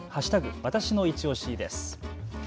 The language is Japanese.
わたしのいちオシです。